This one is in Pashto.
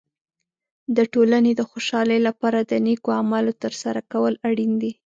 د ټولنې د خوشحالۍ لپاره د نیکو اعمالو تر سره کول اړین دي.